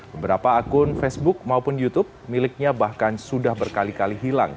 beberapa akun facebook maupun youtube miliknya bahkan sudah berkali kali hilang